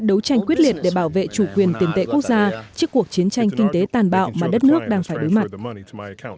đấu tranh quyết liệt để bảo vệ chủ quyền tiền tệ quốc gia trước cuộc chiến tranh kinh tế tàn bạo mà đất nước đang phải đối mặt